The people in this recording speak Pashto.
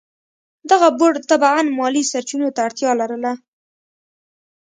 دغه بورډ طبعاً مالي سرچینو ته اړتیا لرله.